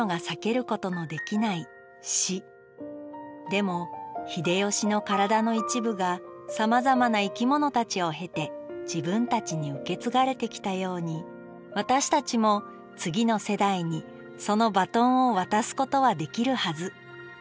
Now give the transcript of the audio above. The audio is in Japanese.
でも秀吉の体の一部がさまざまな生き物たちを経て自分たちに受け継がれてきたように私たちも次の世代にそのバトンを渡すことはできるはず。